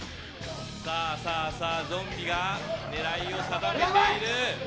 ゾンビが狙いを定めている。